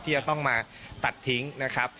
จะต้องมาตัดทิ้งนะครับ